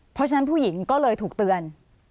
เพราะฉะนั้นผู้หญิงก็เลยถูกเตือน